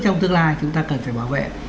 trong tương lai chúng ta cần phải bảo vệ